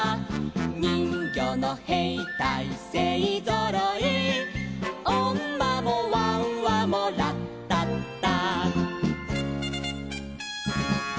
「にんぎょうのへいたいせいぞろい」「おんまもわんわもラッタッタ」